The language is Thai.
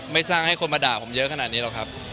สร้างให้คนมาด่าผมเยอะขนาดนี้หรอกครับ